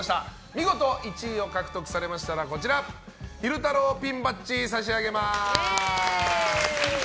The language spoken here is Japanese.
見事１位を獲得されましたら昼太郎ピンバッジを差し上げます。